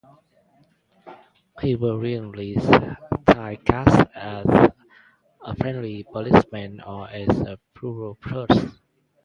He was frequently typecast as a friendly policeman or as a brutal thug.